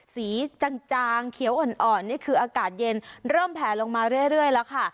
จางเขียวอ่อนนี่คืออากาศเย็นเริ่มแผลลงมาเรื่อยแล้วค่ะ